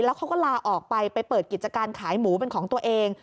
แล้วเขาก็ลาออกไปไปเปิดกิจการขายหมูเป็นของตัวเอง